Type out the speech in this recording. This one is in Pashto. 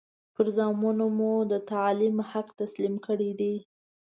پر زامنو مو د تعلیم حق تسلیم کړی دی.